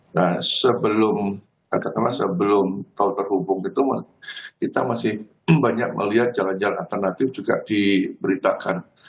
nah sebelum katakanlah sebelum tol terhubung itu kita masih banyak melihat jalan jalan alternatif juga diberitakan